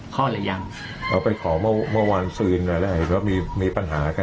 เค้าก็นิ้วฮ่ายืมเงินไปเคาะ